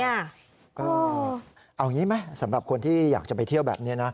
เอาอย่างนี้ไหมสำหรับคนที่อยากจะไปเที่ยวแบบนี้นะ